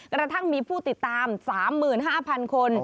กระทั่งมีผู้ติดตาม๓๕๐๐๐คน